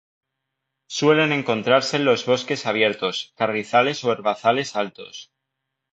Suelen encontrarse en los bosques abiertos, carrizales o herbazales altos.